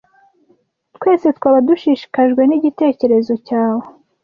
Twese twaba dushishikajwe nigitekerezo cyawe.